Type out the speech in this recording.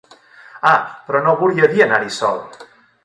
Ah, però no volia dir anar-hi sol!